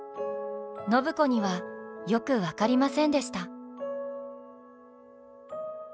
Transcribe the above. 暢子にはよく分かりませんでした。